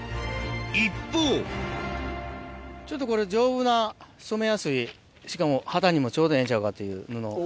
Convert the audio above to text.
一方ちょっとこれ丈夫な染めやすいしかも肌にもちょうどええんちゃうかっていう布。